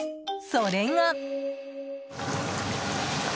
それが。